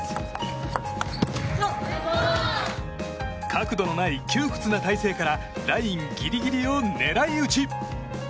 角度のない窮屈な大勢からラインギリギリを狙い打ち。